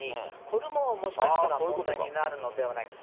これももしかしたら問題になるのではないか。